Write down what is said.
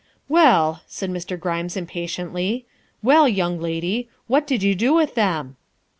" Well," said Mr. Grimes impatiently, " well, young lady, what did you do with them?"